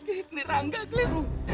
ini rangga chris